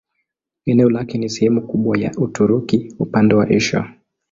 Eneo lake ni sehemu kubwa ya Uturuki upande wa Asia.